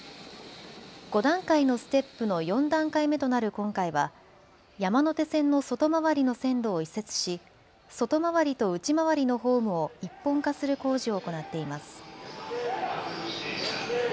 ５段階のステップの４段階目となる今回は山手線の外回りの線路を移設し外回りと内回りのホームを一本化する工事を行っています。